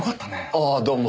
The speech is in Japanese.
ああどうも。